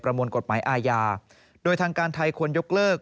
มวลกฎหมายอาญาโดยทางการไทยควรยกเลิก